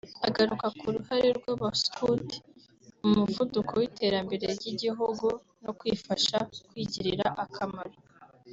agaruka ku ruhare rw’Abaskuti mu muvuduko w’iterambere ry’igihugu no kwifasha kwigirira akamaro